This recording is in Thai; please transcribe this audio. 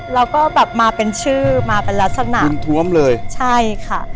แล้วก็แบบมาเป็นชื่อมาเป็นลักษณะดินท้วมเลยใช่ค่ะ